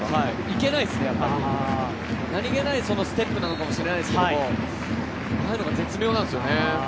いけないですね、なにげないステップなのかもしれないですけどああいうのが絶妙なんですよね。